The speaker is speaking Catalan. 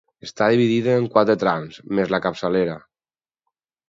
Està dividida en quatre trams, més la capçalera.